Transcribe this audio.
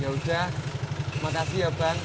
yaudah makasih ya bang